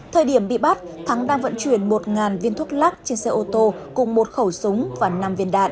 thời điểm bị bắt thắng đang vận chuyển một viên thuốc lắc trên xe ô tô cùng một khẩu súng và năm viên đạn